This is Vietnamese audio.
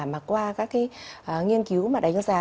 mà qua các cái nghiên cứu mà đánh giá